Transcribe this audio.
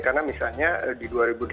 karena misalnya di dua ribu delapan belas